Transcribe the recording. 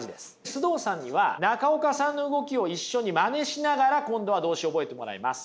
須藤さんには中岡さんの動きを一緒にまねしながら今度は動詞覚えてもらいます。